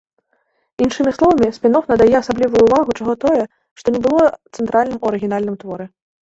Іншымі словамі, спін-оф надае асаблівую ўвагу чаго-тое, што не было цэнтральным у арыгінальным творы.